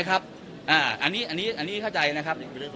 อันนี้เข้าใจนะครับ